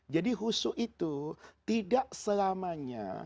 jadi husu itu tidak selamanya